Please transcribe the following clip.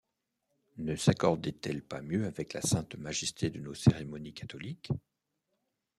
Ne s'accordait-elle pas mieux avec la sainte majesté de nos cérémonies catholiques?